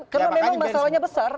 karena memang masalahnya besar